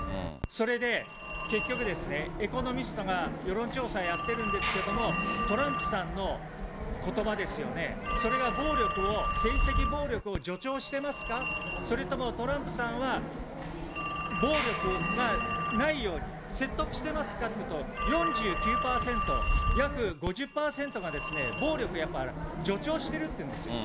それで結局、エコノミストが世論調査やってるんですけれども、トランプさんのことばですよね、それが暴力を、政治的暴力を助長してますか、それともトランプさんは、暴力がないように説得してますかというと、４９％、約５０％が暴力やっぱり、助長してるっていうんですよ。